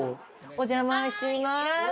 お邪魔します！